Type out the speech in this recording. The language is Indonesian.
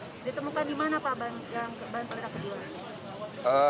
ditemukan di mana pak yang bahan peledak keju